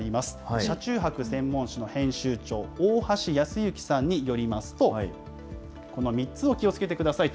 車中泊専門誌の編集長、大橋保之さんによりますと、この３つを気をつけてくださいと。